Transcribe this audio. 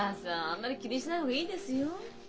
あんまり気にしない方がいいですよ。